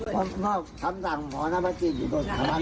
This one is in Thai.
เขาทำต่างหมอหน้าพระเจียร์อยู่ตรงนั้น